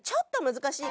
難しい。